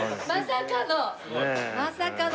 まさかの。